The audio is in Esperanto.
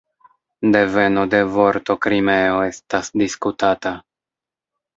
Deveno de vorto "Krimeo" estas diskutata.